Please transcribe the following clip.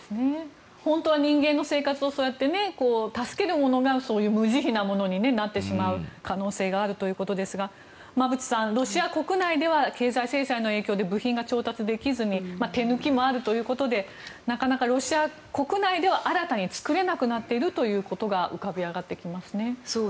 本当は人間の生活をそうやって助けるものがそういう無慈悲なものになってしまう可能性があるということですが馬渕さんロシア国内では経済制裁の影響で部品が調達できずに手抜きもあるということでなかなかロシア国内では新たに作れなくなっているということが新たに浮かび上がってきますね。